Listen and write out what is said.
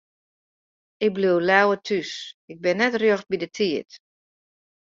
Ik bliuw leaver thús, ik bin net rjocht by de tiid.